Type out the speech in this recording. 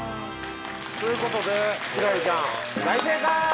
ということで輝星ちゃん大正解！